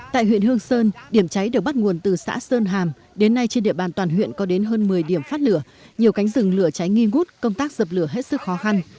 tại huyện hương sơn điểm cháy đều bắt nguồn từ xã sơn hàm đến nay trên địa bàn toàn huyện có đến hơn một mươi điểm phát lửa nhiều cánh rừng lửa cháy nghi ngút công tác dập lửa hết sức khó khăn